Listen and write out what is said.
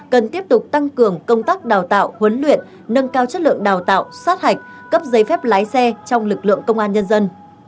cần tiếp tục tăng cường công tác đào tạo huấn luyện nâng cao chất lượng đào tạo sát hạch cấp giấy phép lái xe trong lực lượng công an nhân dân